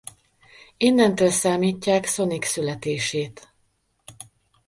Innentől számítják Sonic születését.